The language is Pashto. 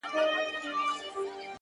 هغه به چيري اوسي باران اوري” ژلۍ اوري”